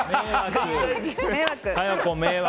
迷惑！